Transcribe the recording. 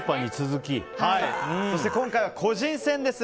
そして今回は個人戦です。